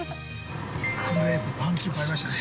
クレープ、パンチもらいましたね。